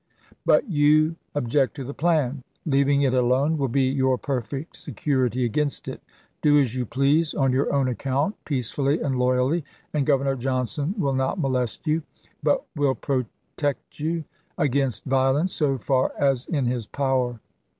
But you object to the plan. Leaving it alone will be your perfect security against it. Do as you please on your own account, peacefully and loyally, and Governor Johnson will not molest you, but will protect you against violence so far as in his power.